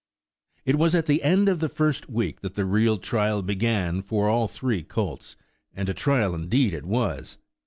It was at the end of the first week that the real trial began for all three colts, and a trial indeed it was!